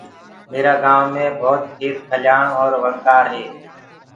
ميرآ گائونٚ مي هر پآسي کيت کليآن اور وڻڪآر هي۔